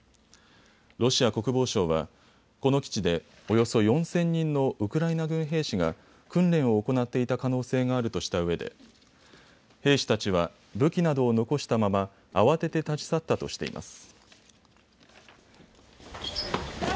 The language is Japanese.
ロシア国防省はこの基地でおよそ４０００人のウクライナ軍兵士が訓練を行っていた可能性があるとしたうえで兵士たちは武器などを残したまま慌てて立ち去ったとしています。